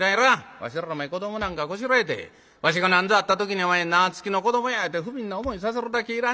わしらお前子どもなんかこしらえてわしが何ぞあった時にお前縄付きの子どもやいうて不憫な思いさせるだけいらん』